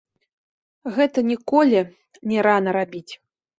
Гэта ніколі не рана рабіць.